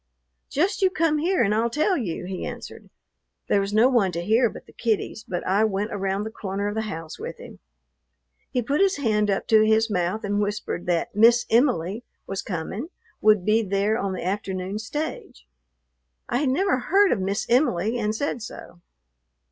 "Just you come here and I'll tell you," he answered. There was no one to hear but the kiddies, but I went around the corner of the house with him. He put his hand up to his mouth and whispered that "Miss Em'ly" was coming, would be there on the afternoon stage. I had never heard of "Miss Em'ly," and said so.